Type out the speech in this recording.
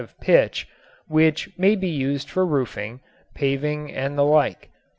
of pitch, which may be used for roofing, paving and the like.